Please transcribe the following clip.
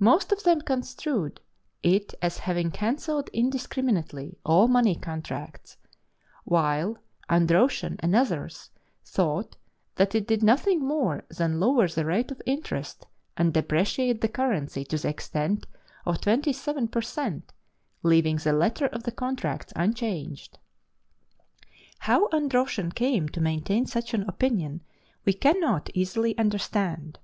Most of them construed it as having cancelled indiscriminately all money contracts; while Androtion and others thought that it did nothing more than lower the rate of interest and depreciate the currency to the extent of 27 per cent., leaving the letter of the contracts unchanged. How Androtion came to maintain such an opinion we cannot easily understand.